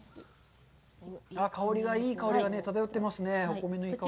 香りが、いい香りが漂ってますね、お米のいい香りが。